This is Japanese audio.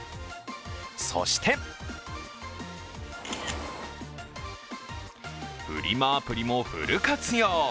そしてフリマアプリもフル活用。